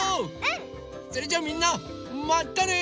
それじゃあみんなまたね！